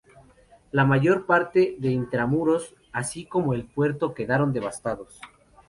La mayor parte de intramuros, así como el puerto, quedaron devastados.